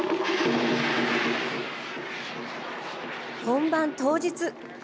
本番当日。